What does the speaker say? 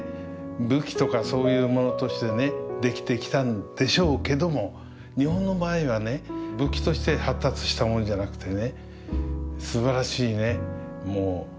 武器とかそういうものとしてね出来てきたんでしょうけども日本の場合はね武器として発達したものじゃなくてね